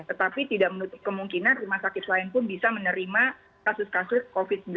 tetapi tidak menutup kemungkinan rumah sakit lain pun bisa menerima kasus kasus covid sembilan belas